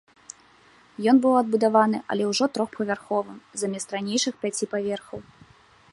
Ён быў адбудаваны, але ўжо трохпавярховым замест ранейшых пяці паверхаў.